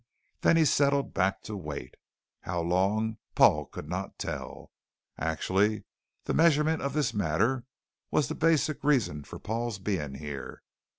Then he settled back to wait. How long, Paul could not tell. Actually, the measurement of this matter was the basic reason for Paul's being here.